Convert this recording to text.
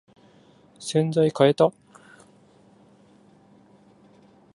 洗剤かえた？